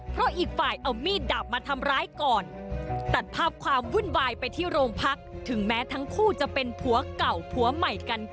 เพราะอีกฝ่ายเอามีดดับมาทำร้ายก่อน